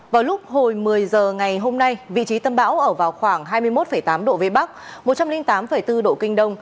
vào lúc hồi một mươi h ngày hôm nay vị trí tâm bão ở vào khoảng hai mươi một tám độ vn một trăm linh tám bốn độ kd